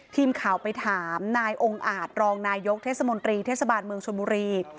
ทีมข่าวไปถามนายองค์อาจรองนายกเทศมนตรีเทศบาลเมืองชนบุรี